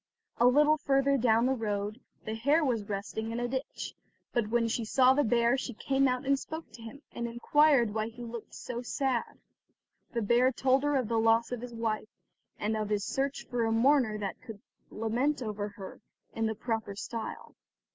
A little further down the road the hare was resting in a ditch, but when she saw the bear, she came out and spoke to him, and inquired why he looked so sad. The bear told her of the loss of his wife, and of his search after a mourner that could lament over her in the proper style.